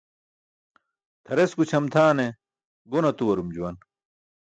Tʰares gućʰam tʰaane gon atuwarum juwan.